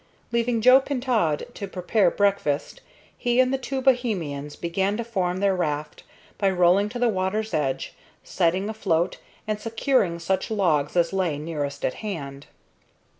Leaving Joe Pintaud to prepare breakfast, he and the two Bohemians began to form their raft by rolling to the water's edge, setting afloat, and securing such logs as lay nearest at hand.